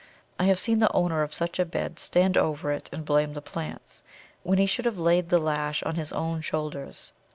I have seen the owner of such a bed stand over it and blame the plants, when he should have laid the lash on his own shoulders.